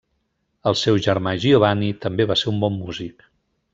El seu germà Giovanni, també va ser un bon músic.